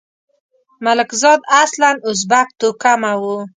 ملکزاد اصلاً ازبک توکمه وو.